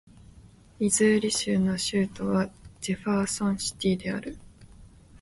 ミズーリ州の州都はジェファーソンシティである